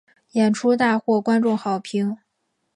演出大获观众好评。